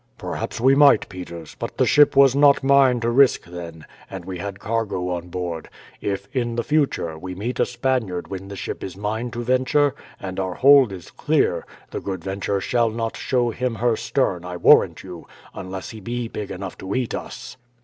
"Perhaps we might, Peters; but the ship was not mine to risk then, and we had cargo on board. If, in the future, we meet a Spaniard when the ship is mine to venture, and our hold is clear, the Good Venture shall not show him her stern I warrant you, unless he be big enough to eat us."